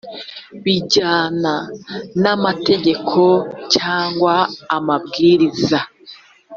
bijyana n amategeko cyangwa amabwiriza